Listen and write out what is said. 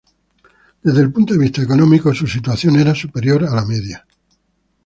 Desde el punto de vista económico, su situación era superior a la media.